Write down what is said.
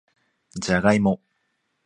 じゃがいも